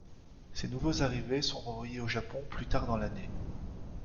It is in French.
Ces nouveaux arrivés sont renvoyés au Japon plus tard dans l'année.